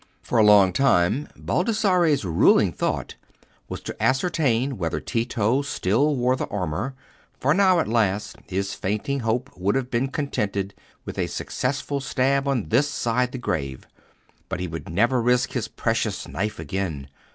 For a long while, Baldassarre's ruling thought was to ascertain whether Tito still wore the armour, for now at last his fainting hope would have been contented with a successful stab on this side the grave; but he would never risk his precious knife again.